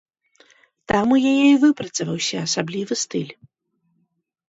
Там у яе і выпрацаваўся асаблівы стыль.